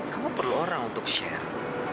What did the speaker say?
kamu perlu orang untuk share